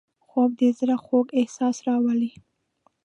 خوب د زړه خوږ احساس راولي